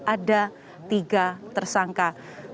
ada tiga tersangka